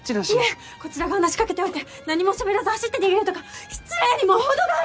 いえこちらが話しかけておいて何も喋らず走って逃げるとか失礼にも程があるので！